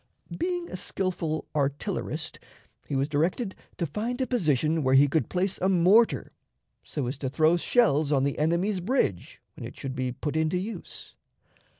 Being a skillful artillerist, he was directed to find a position where he could place a mortar so as to throw shells on the enemy's bridge when it should be put into use.